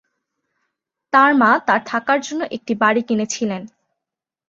তার মা তার থাকার জন্য একটি বাড়ি কিনেছিলেন।